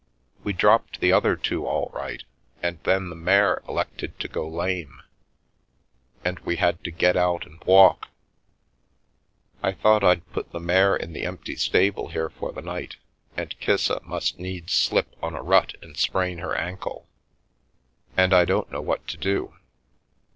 We dropped the other two all right, and then the mare elected to go lame, and we had to get out and walk. I thought I'd put the mare in the empty stable here for the night, and Kissa must needs slip on a rut and sprain her ankle. And I don't know what to do.